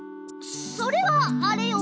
それはあれよ。